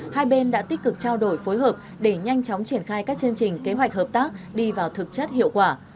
hai bên đã tích cực trao đổi phối hợp để nhanh chóng triển khai các chương trình kế hoạch hợp tác đi vào thực chất hiệu quả